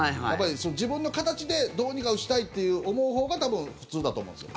自分の形でどうにか打ちたいって思うほうが多分普通だと思うんですよ。